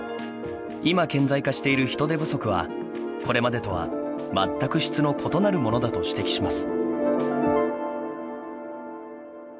今顕在化している人手不足はこれまでとは全く質の異なるものだと指摘します。